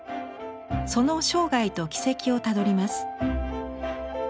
その生涯と軌跡をたどります。